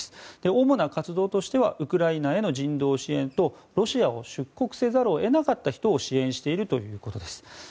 主な活動としてはウクライナへの人道支援とロシアを出国せざるを得なかった人を支援しているということです。